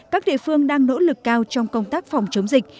các địa phương đang nỗ lực cao trong công tác phòng chống dịch